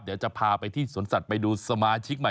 เดี๋ยวจะพาไปที่สวนสัตว์ไปดูสมาชิกใหม่